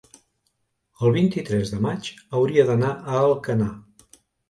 el vint-i-tres de maig hauria d'anar a Alcanar.